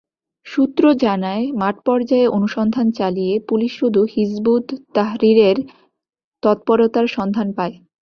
সূত্র জানায়, মাঠপর্যায়ে অনুসন্ধান চালিয়ে পুলিশ শুধু হিযবুত তাহ্রীরের তৎপরতার সন্ধান পায়।